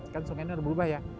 kan sungai ini sudah berubah ya